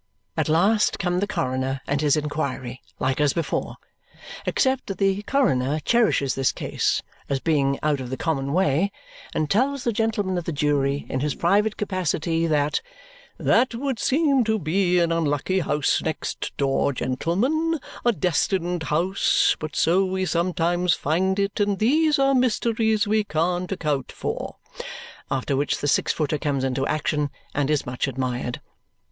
At last come the coroner and his inquiry, like as before, except that the coroner cherishes this case as being out of the common way and tells the gentlemen of the jury, in his private capacity, that "that would seem to be an unlucky house next door, gentlemen, a destined house; but so we sometimes find it, and these are mysteries we can't account for!" After which the six footer comes into action and is much admired.